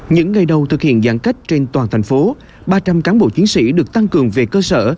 những ngày đầu thực hiện giãn cách trên toàn thành phố ba trăm linh cán bộ chiến sĩ được tăng cường về cơ sở